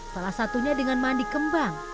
salah satunya dengan mandi kembang